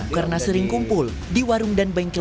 karena sering kumpul di warung dan bengkel